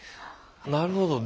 なるほど。